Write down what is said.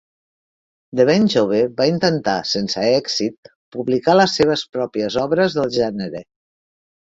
De ben jove va intentar, sense èxit, publicar les seves pròpies obres del gènere.